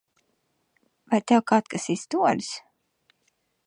Vai tev kaut kas izdodas?